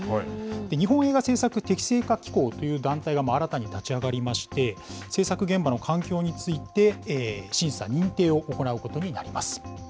日本映画制作適正化機構という団体が新たに立ち上がりまして、制作現場の環境について審査・認定を行うことになります。